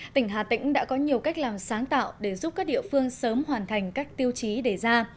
tỉnh hà tĩnh đã có nhiều cách làm sáng tạo để giúp các địa phương sớm hoàn thành các tiêu chí đề ra